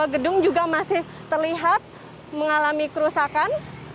di dalam gedung juga masih terlihat mengalami kerusakan